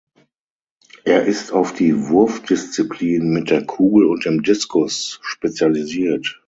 Er ist auf die Wurfdisziplinen mit der Kugel und dem Diskus spezialisiert.